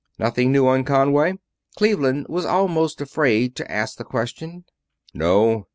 "Nothing new on Conway?" Cleveland was almost afraid to ask the question. "No."